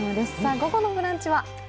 午後の「ブランチ」は？